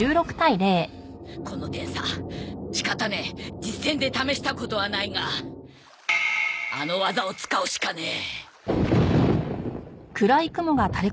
この点差仕方ねえ実戦で試したことはないがあの技を使うしかねえ！